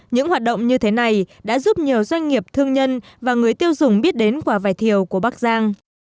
những hoạt động như thế này đã giúp nhiều doanh nghiệp thương nhân và người tiêu dùng biết đến quả vải thiều của bắc giang